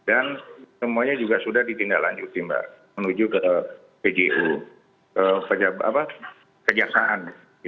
dan semuanya juga sudah ditindaklanjuti mbak menuju ke pju ke kejaksaan